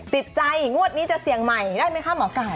ติดใจงวดนี้จะเสี่ยงใหม่ได้ไหมคะหมอไก่